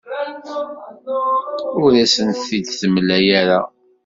Ur as-t-id-temla ara.